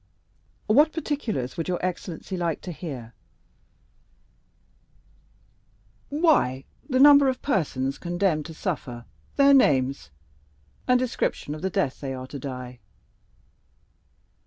"What particulars would your excellency like to hear?" "Why, the number of persons condemned to suffer, their names, and description of the death they are to die."